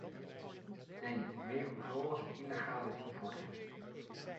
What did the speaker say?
Een: meer controles op illegale importen.